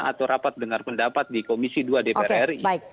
atau rapat dengar pendapat di komisi dua dpr ri